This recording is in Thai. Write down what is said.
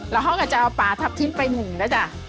แล้วเขาก็จะเอาปลาทับทิมไปหนึ่งแล้วจ้ะ